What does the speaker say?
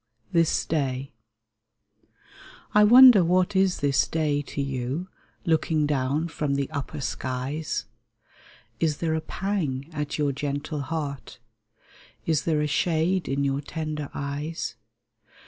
THIS DAY I WONDER what is this day to you, Looking down from the upper skies ! Is there a pang at your gentle heart ? Is there a shade in your tender eyes